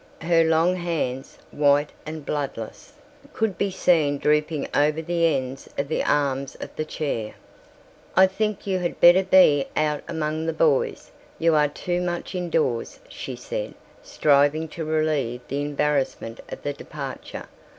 Her long hands, white and bloodless, could be seen drooping over the ends of the arms of the chair. "I think you had better be out among the boys. You are too much indoors," she said, striving to relieve the embarrassment of the departure.